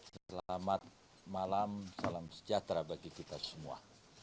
selamat malam salam sejahtera bagi kita semua